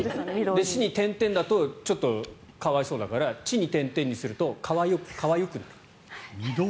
「し」に点々だと可哀想だから「ち」に点々にすると可愛くなる。